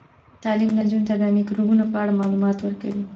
تعلیم نجونو ته د میکروبونو په اړه معلومات ورکوي.